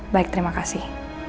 baik terima kasih